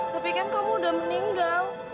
tapi kan kamu udah meninggal